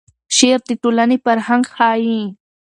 شعر د ټولنې فرهنګ ښیي.